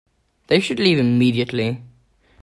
They should leave immediately.